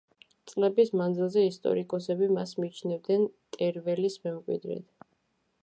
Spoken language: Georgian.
წლების მანძილზე ისტორიკოსები მას მიიჩნევდნენ ტერველის მემკვიდრედ.